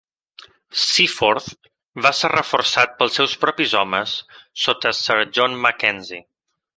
Seaforth va ser reforçat pels seus propis homes sota Sir John MacKenzie.